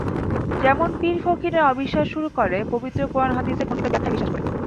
যেমন পীর-ফকিরে অবিশ্বাস শুরু করে, পবিত্র কোরআন-হাদিসের খণ্ডিত ব্যাখ্যায় বিশ্বাস করে।